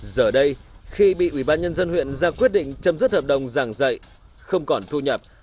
giờ đây khi bị ubnd huyện ra quyết định chấm dứt hợp đồng giảng dạy không còn thu nhập